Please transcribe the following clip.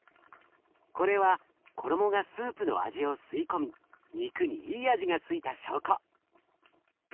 これは衣がスープの味を吸い込み肉にいい味が付いた証拠。